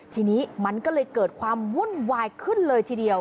ทีนี้มันก็เลยเกิดความวุ่นวายขึ้นเลยทีเดียว